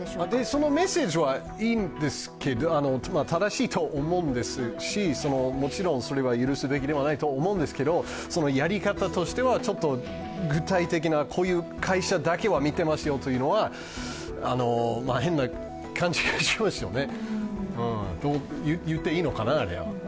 そのメッセージはいいんですけど、正しいと思いますし、もちろんそれは許すべきではないと思うんですがやり方としては、ちょっと具体的なこういう会社だけは見ていますよというのは変な感じがしますよねと言っていいのかな。